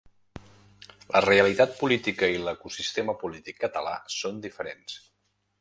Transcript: La realitat política i l’ecosistema polític català són diferents.